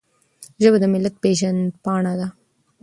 ژبه د ملت پیژند پاڼه ده.